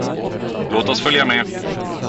Låt oss följa med!